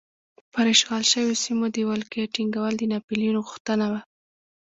پر اشغال شویو سیمو د ولکې ټینګول د ناپلیون غوښتنه وه.